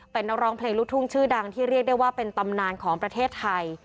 เป็นนักร้องเพลงลูกทุ่งชื่อดังที่เรียกได้ว่าเป็นตำนานของประเทศไทย